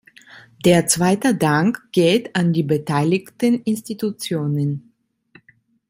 Der zweite Dank geht an die beteiligten Institutionen.